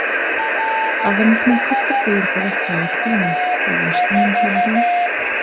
ئاغىمىزنىڭ قاتتىق بۇيرۇقىغا ئىتائەت قىلىمەن. تاللاشقا نېمە ھەددىم؟